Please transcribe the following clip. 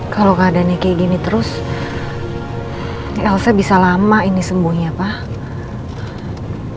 kalau keadaannya kayak gini terus elsa bisa lama ini sembuhnya pak